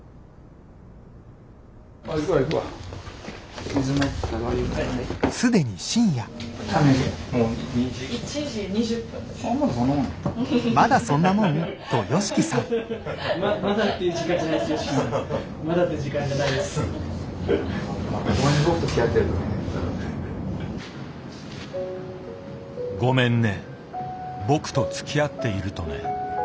「ごめんね僕とつきあっているとね」。